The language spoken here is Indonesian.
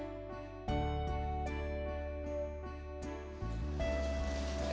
raih lu berhenti ya